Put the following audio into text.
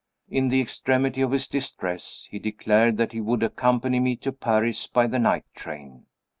In the extremity of his distress, he declared that he would accompany me to Paris by the night train.